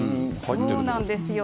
そうなんですよ。